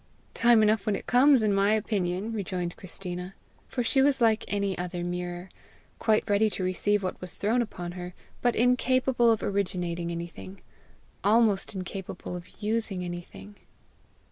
"Time enough when it comes, in my opinion!" rejoined Christina. For she was like any other mirror quite ready to receive what was thrown upon her, but incapable of originating anything, almost incapable of using anything.